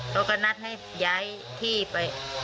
เขาก็นัดให้ย้ายที่ไป